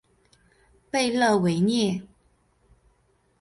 贝勒维涅。